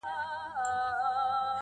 o که ما کوې، که لالا کوې، که ما کوې!